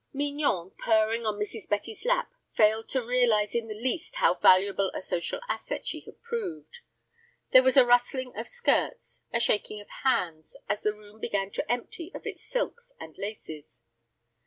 Mignon, purring on Mrs. Betty's lap, failed to realize in the least how valuable a social asset she had proved. There was a rustling of skirts, a shaking of hands, as the room began to empty of its silks and laces.